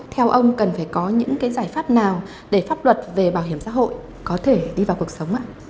theo ông cần phải có những giải pháp nào để pháp luật về bảo hiểm xã hội có thể đi vào cuộc sống ạ